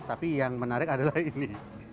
tapi yang menarik adalah ini